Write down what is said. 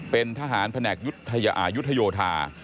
เป็นทหารแผนกยุทธโยธา